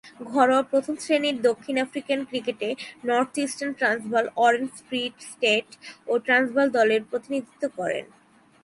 ঘরোয়া প্রথম-শ্রেণীর দক্ষিণ আফ্রিকান ক্রিকেটে North Eastern Transvaal, Orange Free State ও ট্রান্সভাল দলের প্রতিনিধিত্ব করেন।